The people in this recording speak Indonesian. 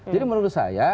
jadi menurut saya